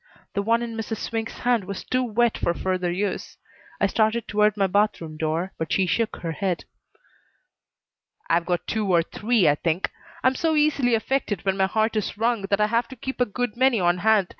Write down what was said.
The one in Mrs. Swink's hand was too wet for further use. I started toward my bedroom door, but she shook her head. "I've got two or three, I think. I'm so easily affected when my heart is wrung that I have to keep a good many on hand.